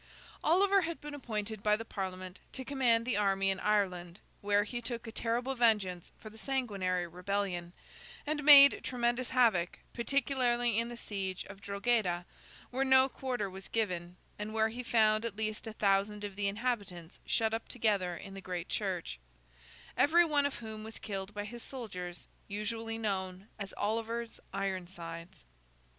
Oliver had been appointed by the Parliament to command the army in Ireland, where he took a terrible vengeance for the sanguinary rebellion, and made tremendous havoc, particularly in the siege of Drogheda, where no quarter was given, and where he found at least a thousand of the inhabitants shut up together in the great church: every one of whom was killed by his soldiers, usually known as Oliver's Ironsides.